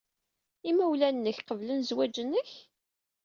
Imawlan-nnek qeblen zzwaj-nnek?